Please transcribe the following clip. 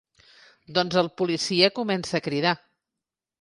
Doncs el policia comença a cridar.